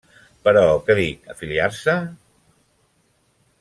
Però, què dic afiliar-se?